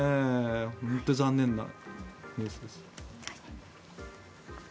本当に残念なニュースです。